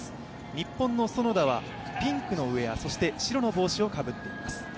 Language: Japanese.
日本の園田はピンクのウェア、白の帽子をかぶっています。